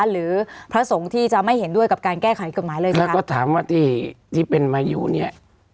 และก็ถามว่าที่เป็นมายูนี้